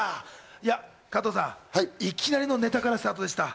いや、加藤さん、いきなりのネタからスタートでした。